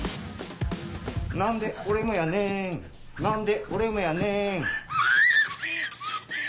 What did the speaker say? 何で俺もやねん何で俺もやねんイヤ！